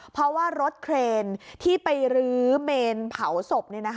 เพราะว่ารถเครนที่ไปรื้อเมนเผาศพ